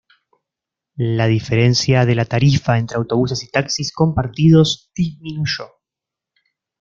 La diferencia de la tarifa entre autobuses y taxis compartidos disminuyó.